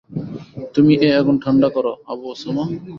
তুমি এ আগুন ঠাণ্ডা কর আবু ওসামা।